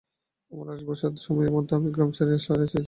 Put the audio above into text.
আমার আটবৎসর বয়সের সময় আমি গ্রাম ছাড়িয়া শহরে আসিয়াছিলাম।